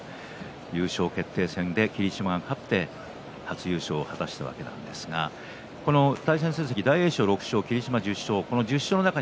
優勝決定戦で霧島が勝って初優勝を果たしたわけなんですが対戦成績で大栄翔６勝霧島１０勝。